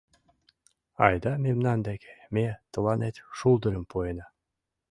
Айда мемнан деке, ме тыланет шулдырым пуэна.